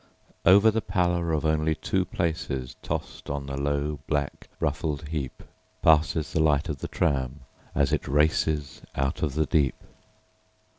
Over the pallor of only two placesTossed on the low, black, ruffled heapPasses the light of the tram as it racesOut of the deep.